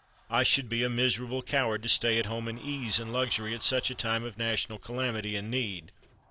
I should be a miserable coward to stay at home in ease and luxury at such a time of national calamity and need."